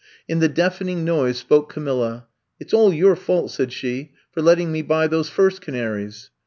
In the deafening noise spoke Ca ^ milla : It 's all your fault,*' said she, for let ^ ting me buy those first canaries.